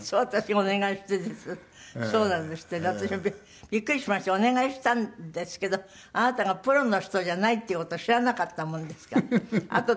お願いしたんですけどあなたがプロの人じゃないっていう事を知らなかったもんですから。